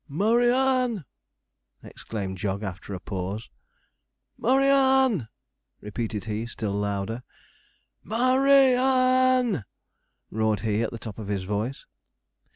'Murry Ann!' exclaimed Jog, after a pause. 'Murry Ann!' repeated he, still louder. 'MURRAY ANN!' roared he, at the top of his voice.